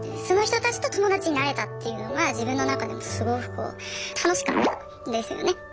その人たちと友達になれたっていうのが自分の中でもすごくこう楽しかったんですよね。